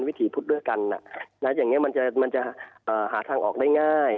วิถีพุทธด้วยกันอย่างนี้มันจะหาทางออกได้ง่าย